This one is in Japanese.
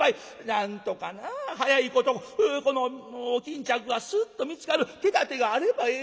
なんとかな早いことこのお巾着がスッと見つかる手だてがあればええのにな。